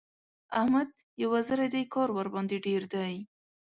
احمد يو وزری دی؛ کار ورباندې ډېر دی.